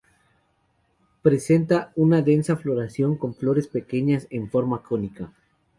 Presenta una densa floración con flores pequeñas en forma cónica.